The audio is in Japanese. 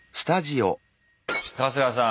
春日さん。